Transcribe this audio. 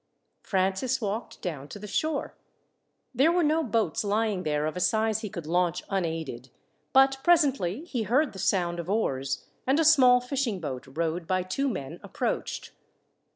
Francis walked down to the shore. There were no boats lying there of a size he could launch unaided, but presently he heard the sound of oars, and a small fishing boat rowed by two men approached.